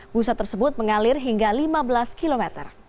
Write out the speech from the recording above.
busa tersebut mengalir hingga lima belas km